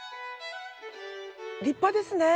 立派ですね。